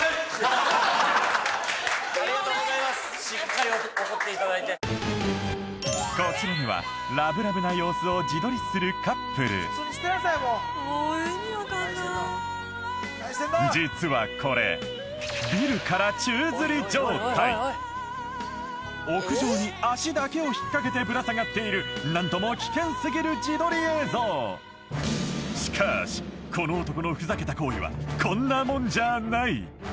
しっかり怒っていただいてこちらにはラブラブな様子を自撮りするカップル実はこれビルから宙づり状態屋上に足だけを引っかけてぶら下がっている何とも危険すぎる自撮り映像しかしこの男のふざけた行為はこんなもんじゃあない！